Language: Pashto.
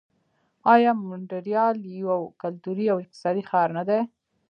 آیا مونټریال یو کلتوري او اقتصادي ښار نه دی؟